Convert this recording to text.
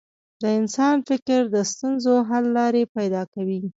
د انسان فکر د ستونزو حل لارې پیدا کوي.